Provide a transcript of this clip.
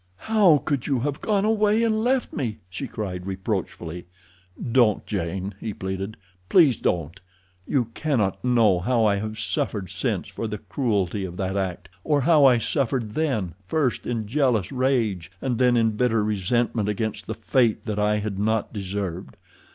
"How could you have gone away and left me?" she cried reproachfully. "Don't, Jane!" he pleaded. "Please don't! You cannot know how I have suffered since for the cruelty of that act, or how I suffered then, first in jealous rage, and then in bitter resentment against the fate that I had not deserved.